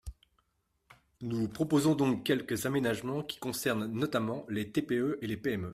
Nous proposons donc quelques aménagements, qui concernent notamment les TPE et les PME.